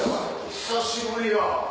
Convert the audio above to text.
久しぶりや。